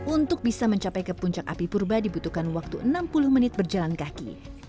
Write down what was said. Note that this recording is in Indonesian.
untuk bisa mencapai ke puncak api purba dibutuhkan waktu enam puluh menit berjalan kaki